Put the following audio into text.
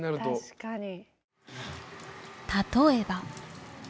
例えば。